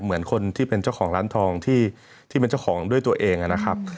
เหมือนคนที่เป็นเจ้าของร้านทองที่เป็นเจ้าของด้วยตัวเองนะครับ